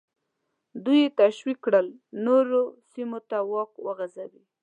دوی یې تشویق کړل نورو سیمو ته واک وغځوي.